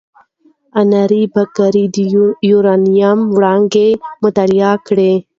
انري بکرېل د یورانیم وړانګې مطالعه کړې.